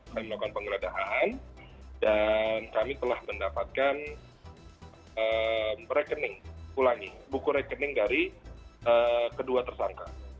kami melakukan penggeledahan dan kami telah mendapatkan rekening ulangi buku rekening dari kedua tersangka